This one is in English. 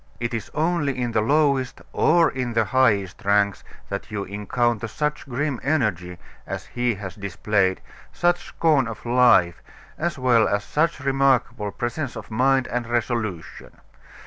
It is only in the lowest or in the highest ranks that you encounter such grim energy as he has displayed, such scorn of life, as well as such remarkable presence of mind and resolution.